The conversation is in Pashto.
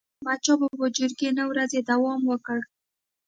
د احمدشاه بابا جرګي نه ورځي دوام وکړ.